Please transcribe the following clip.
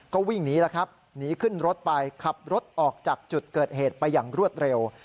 ก็วิ่งหนีแล้วครับหนีขึ้นรถไปขับรถออกจากจุดเกิดเหตุไปอย่างรวดเร็ว